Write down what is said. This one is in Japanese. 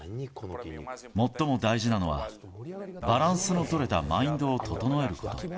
最も大事なのは、バランスの取れたマインドを整えること。